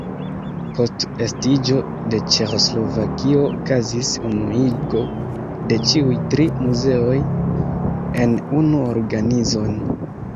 Post estiĝo de Ĉeĥoslovakio okazis unuigo de ĉiuj tri muzeoj en unu organizon.